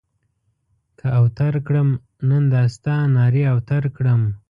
که اوتر کړم؛ نن دا ستا نارې اوتر کړم.